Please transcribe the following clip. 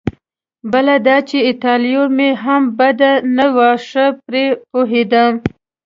بله دا چې ایټالوي مې هم بده نه وه، ښه پرې پوهېدم.